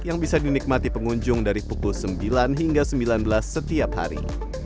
yang bisa dinikmati pengunjung dari pukul sembilan hingga sembilan belas setiap hari